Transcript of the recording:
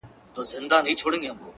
عجيب ساز په سمندر کي را ايسار دی’